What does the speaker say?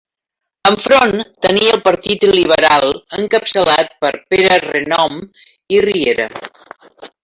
Enfront tenia el Partit Liberal, encapçalat per Pere Renom i Riera.